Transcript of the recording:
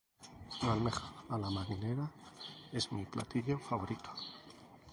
La almeja a la marinera es mi platillo favorito.